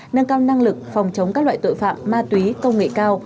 nâng cao năng lực phòng chống các loại tội phạm ma túy công nghệ cao